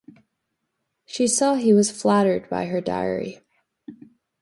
She saw he was flattered by her diary.